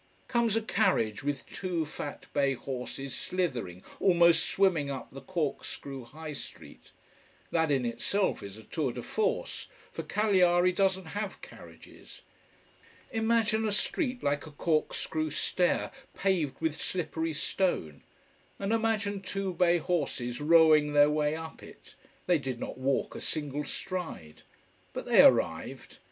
Comes a carriage with two fat bay horses slithering, almost swimming up the corkscrew high street. That in itself is a "tour de force": for Cagliari doesn't have carriages. Imagine a street like a corkscrew stair, paved with slippery stone. And imagine two bay horses rowing their way up it: they did not walk a single stride. But they arrived.